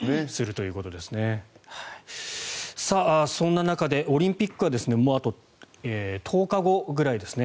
そんな中でオリンピックはあと１０日後ぐらいですね。